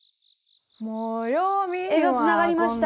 映像つながりました。